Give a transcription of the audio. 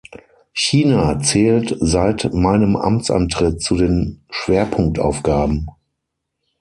China zählt seit meinem Amtsantritt zu den Schwerpunktaufgaben.